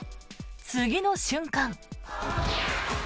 次の瞬間。